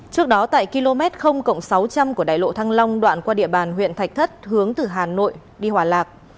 trước đó tại km sáu trăm linh của đại lộ thăng long đoạn qua địa bàn huyện thạch thất hướng từ hà nội đi hòa lạc